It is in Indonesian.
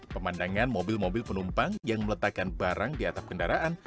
pemandangan mobil mobil penumpang yang meletakkan barang di atap kendaraan